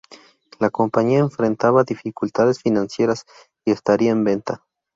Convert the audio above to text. La compañía enfrentaba dificultades financieras y estaría en venta.